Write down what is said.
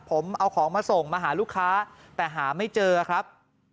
ผมเอาของมาส่งมาหาลูกค้าแต่หาไม่เจอครับ